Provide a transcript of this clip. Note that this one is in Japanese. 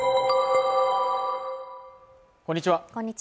こんにちは